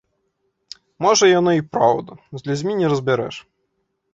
Можа яно і праўда, з людзьмі не разбярэш.